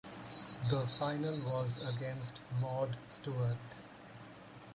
The final was against Maud Stuart.